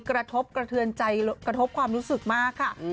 กระทบกระเทือนใจกระทบความรู้สึกมากค่ะ